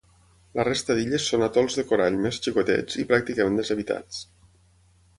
La resta d'illes són atols de corall més xicotets i pràcticament deshabitats.